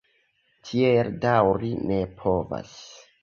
Tiel daŭri ne povas!